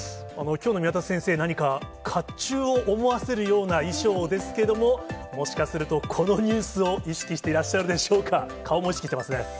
きょうの宮田先生、なにかかっちゅうを思わせるような衣装ですけども、もしかすると、このニュースを意識してらっしゃるでしょうか。